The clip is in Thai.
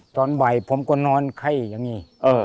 ตอนบ่ายผมก็นอนไข้อย่างนี้